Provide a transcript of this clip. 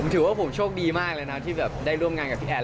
ถือว่าผมโชคดีมากเลยนะที่แบบได้ร่วมงานกับพี่แอน